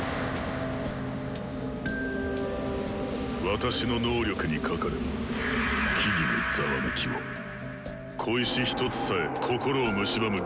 私の能力にかかれば木々のざわめきも小石１つさえ心をむしばむ幻覚となる。